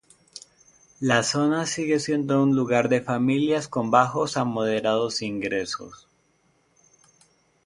La zona sigue siendo un lugar de familias con bajos a moderados ingresos.